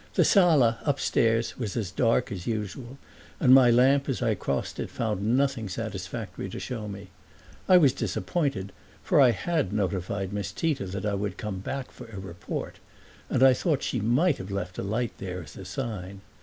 The sala, upstairs, was as dark as usual and my lamp as I crossed it found nothing satisfactory to show me. I was disappointed, for I had notified Miss Tita that I would come back for a report, and I thought she might have left a light there as a sign.